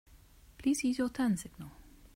Please use your turn signal.